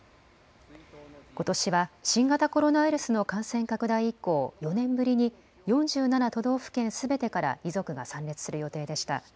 ことしは新型コロナウイルスの感染拡大以降、４年ぶりに４７都道府県すべてから遺族が参列する予定でした。